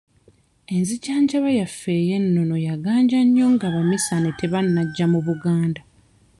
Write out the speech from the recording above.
Enzijanjaba yaffe ey'enono yaganja nnyo ng'abaminsane tebanajja mu Buganda.